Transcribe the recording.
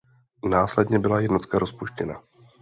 Následně byla jednotka rozpuštěna.